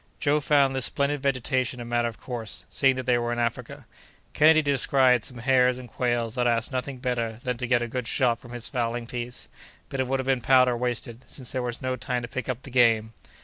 Joe found this splendid vegetation a matter of course, seeing that they were in Africa. Kennedy descried some hares and quails that asked nothing better than to get a good shot from his fowling piece, but it would have been powder wasted, since there was no time to pick up the game.